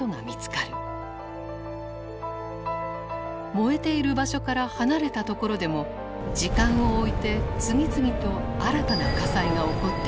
燃えている場所から離れた所でも時間を置いて次々と新たな火災が起こっている。